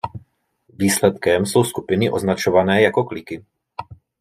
Výsledkem jsou skupiny označované jako „kliky“.